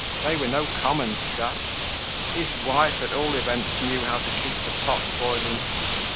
They were no common stuff! His wife, at all events, knew how to keep the pot boiling!